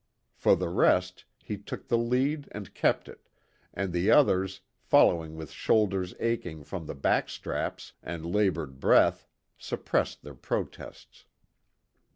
For the rest, he took the lead and kept it, and the others, following with shoulders aching from the pack straps, and laboured breath, suppressed their protests.